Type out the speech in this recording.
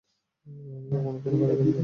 আমি কখনও কোনো বাড়ি দেখিনি।